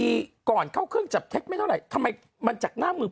พลิกต๊อกเต็มเสนอหมดเลยพลิกต๊อกเต็มเสนอหมดเลย